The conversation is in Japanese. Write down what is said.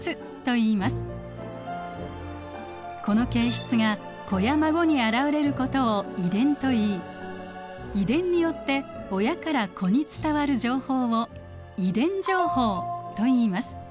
この形質が子や孫に現れることを遺伝といい遺伝によって親から子に伝わる情報を遺伝情報といいます。